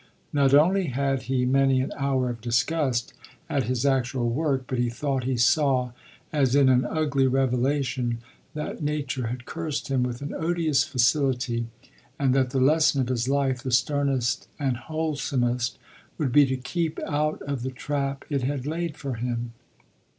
Not only had he many an hour of disgust at his actual work, but he thought he saw as in an ugly revelation that nature had cursed him with an odious facility and that the lesson of his life, the sternest and wholesomest, would be to keep out of the trap it had laid for him.